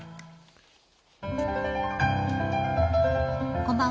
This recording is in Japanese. こんばんは。